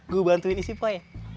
gue bantuin isi pak ya